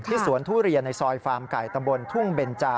สวนทุเรียนในซอยฟาร์มไก่ตำบลทุ่งเบนจา